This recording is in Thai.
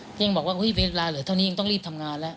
ยังบอกว่าเวลาเหลือเท่านี้ยังต้องรีบทำงานแล้ว